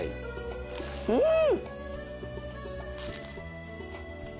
うん！